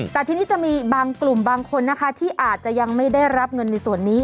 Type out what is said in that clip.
แต่ทีนี้จะมีบางกลุ่มบางคนนะคะที่อาจจะยังไม่ได้รับเงินในส่วนนี้